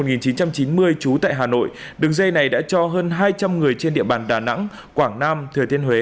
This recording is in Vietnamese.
trú tại hà nội đường dây này đã cho hơn hai trăm linh người trên địa bàn đà nẵng quảng nam thừa thiên huế